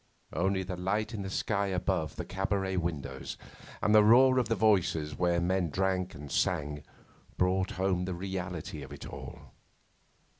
Only the light in the sky above the cabaret windows, and the roar of voices where men drank and sang, brought home the reality of it all.